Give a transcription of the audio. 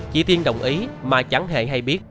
chị tiên đồng ý mà chẳng hề hay biết